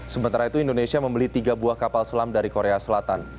sementara itu indonesia membeli tiga buah kapal selam dari korea selatan